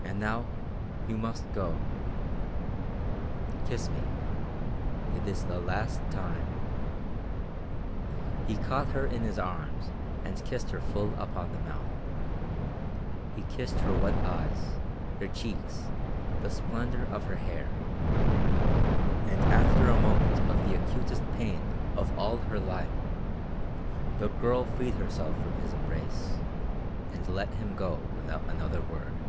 And now, you must go; kiss me, it is the last time." He caught her in his arms and kissed her full upon the mouth. He kissed her wet eyes, her cheeks, the splendor of her hair. And after a moment of the acutest pain of all her life, the girl freed herself from his embrace, and let him go without another word.